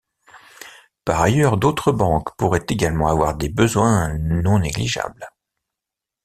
Par ailleurs, d'autres banques pourraient également avoir des besoins non négligeables.